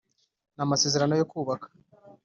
n amasezerano yo kubaka